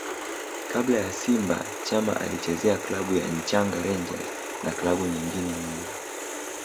Kabla ya Simba Chama alizichezea klabu ya Nchanga Rangers na klabu nyengine nyingi